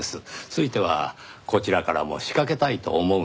ついてはこちらからも仕掛けたいと思うのですが。